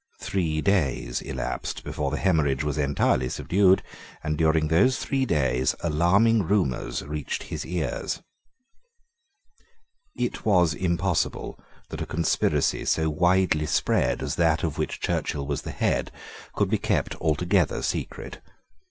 Three days elapsed before the hemorrhage was entirely subdued; and during those three days alarming rumours reached his ears. It was impossible that a conspiracy so widely spread as that of which Churchill was the head could be kept altogether secret.